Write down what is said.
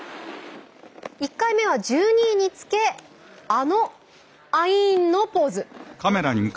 １回目は１２位につけあのアイーンのポーズ。